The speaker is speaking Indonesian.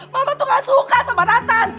mama tuh gak suka sama nathan